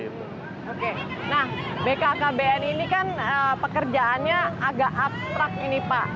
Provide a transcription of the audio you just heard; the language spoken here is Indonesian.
oke nah bkkbn ini kan pekerjaannya agak abstrak ini pak